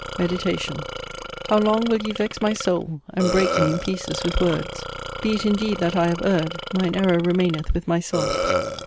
MEDITATION How long will ye vex my soul, and break me in pieces with words! Be it indeed that I have erred, mine error remaineth with myself.